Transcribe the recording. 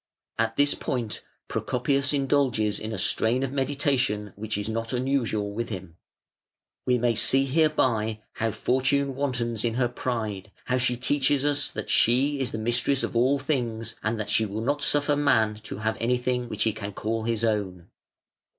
At this point Procopius indulges in a strain of meditation which is not unusual with him: "We may see hereby how Fortune wantons in her pride, how she teaches us that she is mistress of all things, and that she will not suffer Man to have anything which he can call his own".